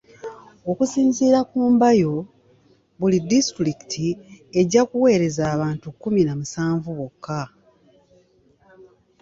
Okusinziira ku Mbayo buli disitulikiti ejja kuweereza abantu kumi na musanvu bokka .